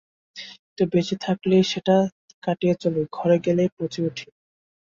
কিন্তু বেঁচে থাকলেই সেটা কাটিয়ে চলি, মরে গেলেই পচে উঠি।